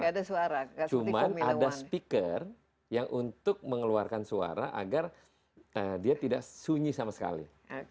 ada suara cuman ada speaker yang untuk mengeluarkan suara agar dia tidak sunyi sama sekali